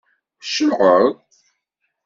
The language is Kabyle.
Tcelεeḍ?